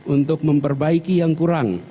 untuk memperbaiki yang kurang